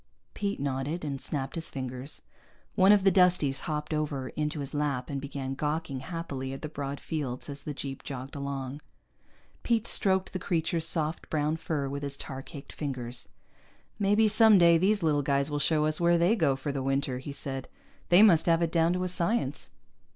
Pete nodded, and snapped his fingers. One of the Dusties hopped over into his lap and began gawking happily at the broad fields as the jeep jogged along. Pete stroked the creature's soft brown fur with his tar caked fingers. "Maybe someday these little guys will show us where they go for the winter," he said. "They must have it down to a science."